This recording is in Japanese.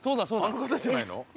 あの方じゃないの？